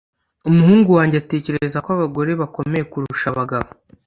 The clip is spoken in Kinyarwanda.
Umuhungu wanjye atekereza ko abagore bakomeye kurusha abagabo